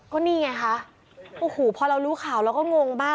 ก็นี่ไงคะโอ้โหพอเรารู้ข่าวเราก็งงมาก